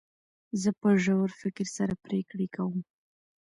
زه په ژور فکر سره پرېکړي کوم.